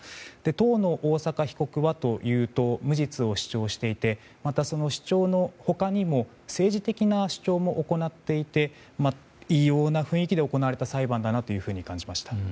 当の大坂被告はというと無実を主張していてまた、その主張の他にも政治的な主張も行っていて異様な雰囲気で行われた裁判だなと感じました。